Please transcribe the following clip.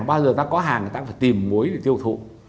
bao giờ ta có hàng người ta cũng phải tìm muối để tiêu thụ